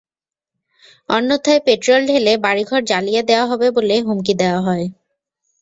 অন্যথায় পেট্রল ঢেলে বাড়িঘর জ্বালিয়ে দেওয়া হবে বলে হুমকি দেওয়া হয়।